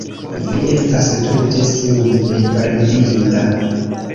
Vi estas tute simple ridinda.